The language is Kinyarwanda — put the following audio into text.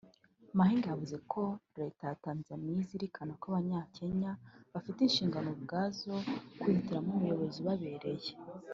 Mahiga yavuze ko Leta ya Tanzania izirikana ko Abanyakenya bafite inshingano ubwabo zo kwihitiramo umuyobozi ubabereye